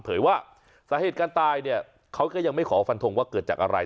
ว่าสาเหตุการตายเนี่ยเขาก็ยังไม่ขอฟันทงว่าเกิดจากอะไร